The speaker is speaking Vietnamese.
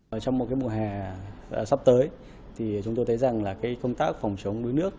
trong một mùa hè sắp tới chúng tôi thấy công tác phòng chống đuối nước